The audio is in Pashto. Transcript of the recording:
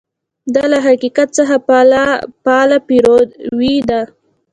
دا له حقیقت څخه فعاله پیروي ده.